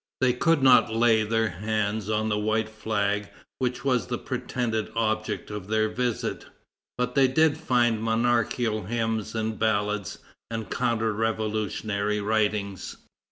They could not lay their hands on the white flag which was the pretended object of their visit, but they did find monarchical hymns and ballads, and counter revolutionary writings.